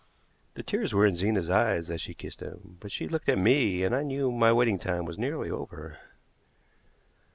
The tears were in Zena's eyes as she kissed him, but she looked at me and I knew my waiting time was nearly over.